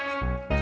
tidak ada apa apa